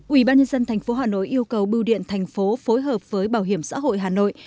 ủy ban nhân dân tp hà nội yêu cầu bưu điện thành phố phối hợp với bảo hiểm xã hội hà nội